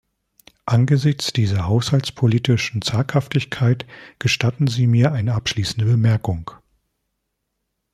Angesichts dieser haushaltspolitischen Zaghaftigkeit gestatten Sie mir eine abschließende Bemerkung.